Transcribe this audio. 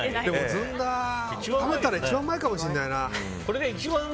ずんだ、食べたら一番うまいかもしれないな。